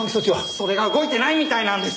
それが動いてないみたいなんです。